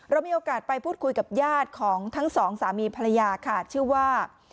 เรามีโอกาสไปพูดคุยกับญาติของทั้งสองสามีภรรยาค่ะชื่อว่า